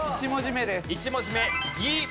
１文字目「ギ」。